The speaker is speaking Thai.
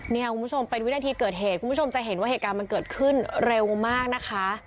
เนี่ยคุณผู้ชมเป็นวินาทีเกิดเหตุคุณผู้ชมจะเห็นว่าเหตุการณ์มันเกิดขึ้นเร็วมากนะคะ